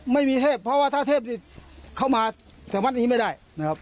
ไม่มีเทพเพราะว่าถ้าเทพเข้ามาสรรพันธุ์นี้ไม่ได้